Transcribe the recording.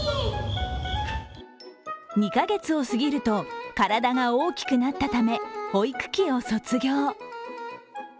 ２カ月を過ぎると、体が大きくなったため保育器を卒業。